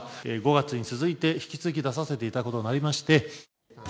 ５月に続いて、引き続き出させていただくことになりまして。